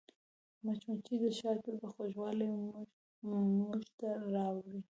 مچمچۍ د شاتو خوږوالی موږ ته راوړي